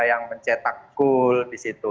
yang mencetak goal disitu